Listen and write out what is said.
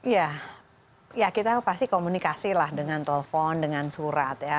ya ya kita pasti komunikasi lah dengan telepon dengan surat ya